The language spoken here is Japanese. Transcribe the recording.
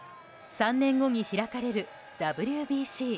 ３年後に開かれるＷＢＣ。